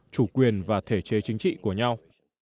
chủ quyền và thể chế chính trị của nhau